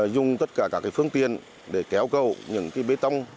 dùng tất cả các cái phương tiện để kéo cầu những cái bế tông